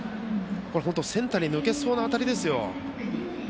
本当にこれ、センターに抜けそうな当たりですよ。